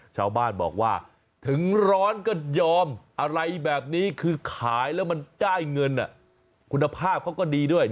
ชาวบ้านบอกว่าถึงร้อนก็ยอมอะไรแบบนี้คือขายแล้วมันได้เงินคุณภาพเขาก็ดีด้วย